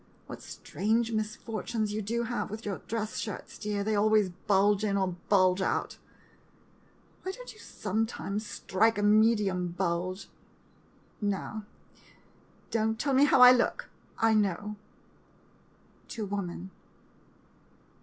What strange misfortunes you do have with your dress shirts, dear — they always bulge in, or bulge out. Why don't you sometime strike a medium bulge ? Now — don't tell me how I look — I know! [To woman.